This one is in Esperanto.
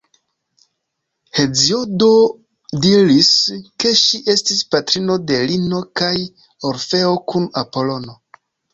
Heziodo diris, ke ŝi estis patrino de Lino kaj Orfeo kun Apolono.